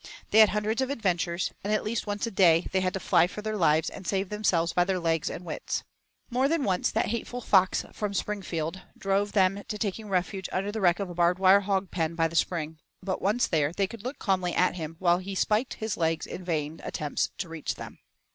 They had hundreds of adventures, and at least once a day they had to fly for their lives and save themselves by their legs and wits. More than once that hateful fox from Springfield drove them to taking refuge under the wreck of a barbedwire hog pen by the spring. But once there they could look calmly at him while he spiked his legs in vain attempts to reach them.